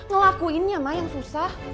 ngelakuinnya ma yang susah